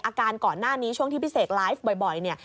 อาการก่อนหน้านี้ช่วงที่พี่เสกไลฟ์บ่อยเนี่ย